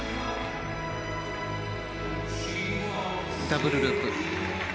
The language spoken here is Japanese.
ダブルループ。